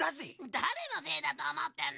誰のせいだと思ってるの！？